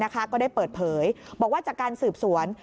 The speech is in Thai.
ก็ได้เปิดเผยบอกว่าจากการสืบสวน